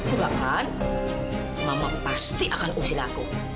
enggak kan mama pasti akan usil aku